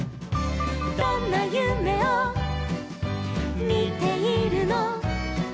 「どんなゆめをみているの」